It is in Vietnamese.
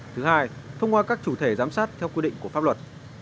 thứ hai thông qua các chủ thể giám sát theo quy định của pháp luật